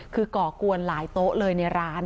คือก่อกวนหลายโต๊ะเลยในร้าน